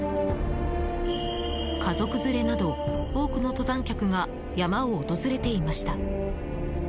家族連れなど、多くの登山客が山を訪れていました。